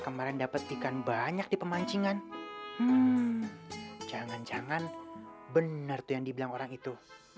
kemarin dapat ikan banyak di pemancingan jangan jangan benar tuh yang dibilang orang itu